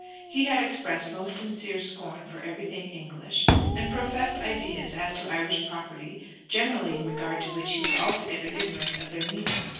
He had expressed most sincere scorn for everything English, and professed ideas as to Irish property generally in regard to which he was altogether ignorant of their meaning.